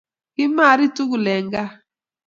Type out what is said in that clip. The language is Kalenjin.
Kimari tugul eng kaa